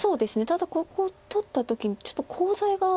ただここ取った時にちょっとコウ材が。